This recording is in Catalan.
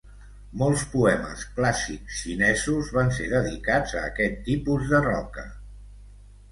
Molts poemes clàssics xinesos van ser dedicats a aquest tipus de roca.